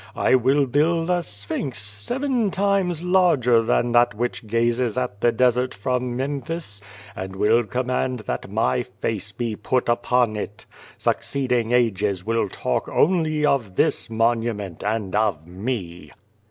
I will build a Sphinx seven times larger than that which gazes at the desert from Memphis, and will com mand that my face be put upon it. Succeeding ages will talk onlv of this monument and of me."